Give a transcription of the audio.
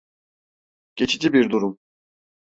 Geçici bir durum.